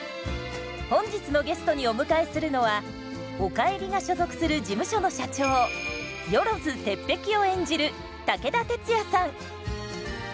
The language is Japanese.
本日のゲストにお迎えするのはおかえりが所属する事務所の社長萬鉄壁を演じる武田鉄矢さん。